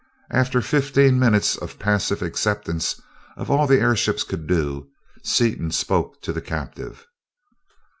After fifteen minutes of passive acceptance of all the airships could do, Seaton spoke to the captive.